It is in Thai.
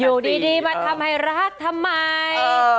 อยู่ดีมาทำให้รักทำไม